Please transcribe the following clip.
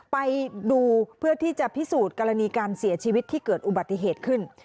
ไปดูเพื่อที่จะพิสูจน์กรณีการเสียชีวิตที่เกิดอุบัติเหตุขึ้น